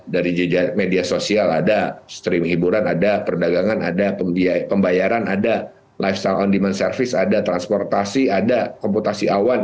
dari media sosial ada streaming hiburan ada perdagangan ada pembayaran ada lifestyle on demand service ada transportasi ada komputasi awan iya smart device iot iya